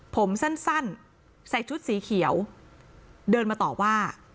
ผมสั้นใส่ชุดสีเขียวเดินมาต่อว่า